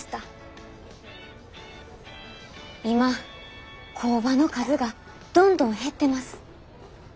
今工場の数がどんどん減ってます。